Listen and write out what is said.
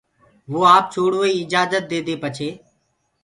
وو آپ ڇوڙوآئيٚ آجآجت ديدي پڇي